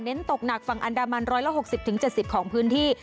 เน้นตกหนักฝั่งอันดามันร้อยละหกสิบถึงเจ็ดสิบของพื้นที่